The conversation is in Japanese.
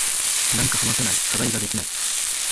なんか話せない。課題ができない。